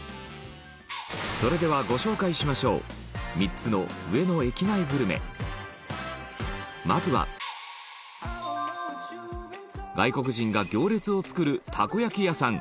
それでは、ご紹介しましょう３つの上野駅前グルメまずは外国人が行列を作るたこ焼き屋さん